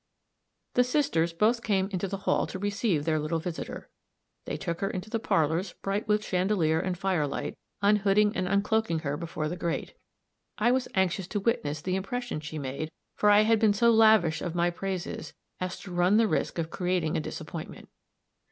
The sisters both came into the hall to receive their little visitor. They took her into the parlors, bright with chandelier and firelight, unhooding and uncloaking her before the grate. I was anxious to witness the impression she made, for I had been so lavish of my praises, as to run the risk of creating a disappointment.